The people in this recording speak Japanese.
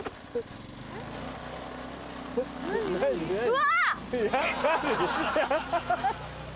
うわ！